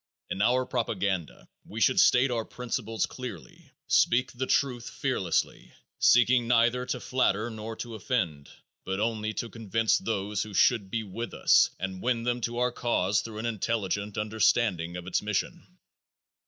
In our propaganda we should state our principles clearly, speak the truth fearlessly, seeking neither to flatter nor to offend, but only to convince those who should be with us and win them to our cause through an intelligent understanding of its mission.